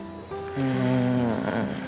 うん